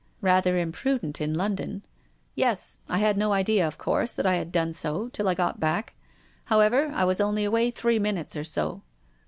" Rather imprudent in London." " Yes. I had no idea, of course, that I had done so, till I got back. However, I was only away three minutes or so."